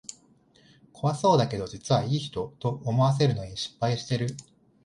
怖そうだけど実はいい人、と思わせるのに失敗してる